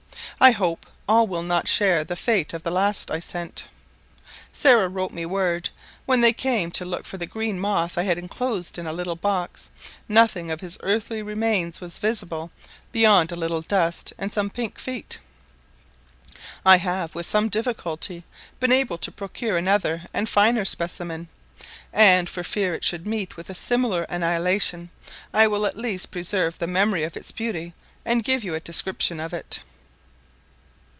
I hope all will not share the fate of the last I sent. Sarah wrote me word, when they came to look for the green moth I had enclosed in a little box, nothing of his earthly remains was visible beyond a little dust and some pink feet. I have, with some difficulty, been able to procure another and finer specimen; and, for fear it should meet with a similar annihilation, I will at least preserve the memory of its beauties, and give you a description of it.